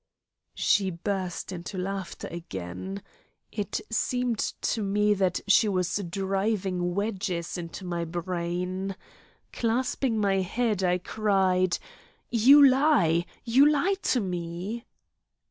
She burst into laughter again. It seemed to me that she was driving wedges into my brain. Clasping my head, I cried: "You lie! You lie to me!"